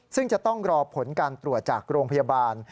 ซึ่งจะต้องรอผลการตรวจจากโรงพยาบาล